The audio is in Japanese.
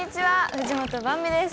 藤本ばんびです。